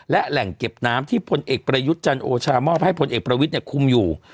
และแหล่งเก็บน้ำที่พลเอกประยุทธ์จันโอชามอบให้พลเอกประวิทย์คุมอยู่